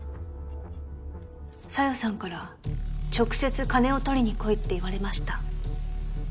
紗世さんから直接金を取りに来いって言われました。